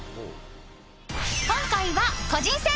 今回は個人戦！